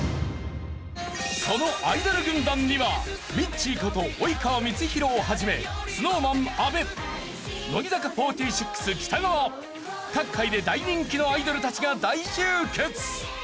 そのアイドル軍団にはミッチーこと及川光博を始めＳｎｏｗＭａｎ阿部乃木坂４６北川各界で大人気のアイドルたちが大集結！